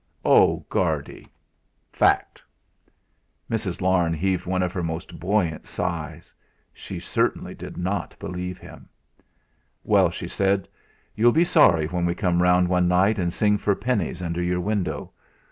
"Oh! Guardy "Fact." Mrs. Larne heaved one of her most buoyant sighs. She certainly did not believe him. "Well!" she said; "you'll be sorry when we come round one night and sing for pennies under your window.